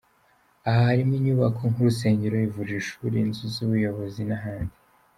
Aha harimo inyubako nk’urusengero, ivuriro, ishuri, inzu y’ubuyobozi n’ahandi.